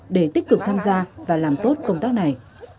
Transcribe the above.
để tích cực tham gia và làm tốt công tác này